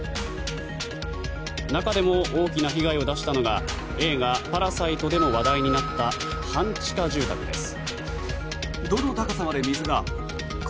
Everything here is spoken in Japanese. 中でも大きな被害を出したのが映画「パラサイト」でも話題になった半地下住宅です。